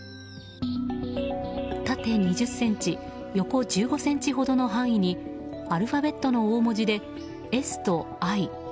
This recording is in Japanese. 縦２０ｃｍ横１５ｃｍほどの範囲にアルファベットの大文字で「ＳとＩ」。